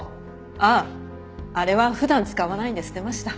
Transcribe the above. あああれは普段使わないんで捨てました。